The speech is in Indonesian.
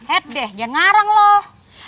eh deh jangan ngarang loh